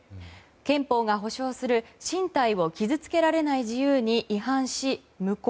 憲法が保障する身体を傷つけられない自由に違反し、無効。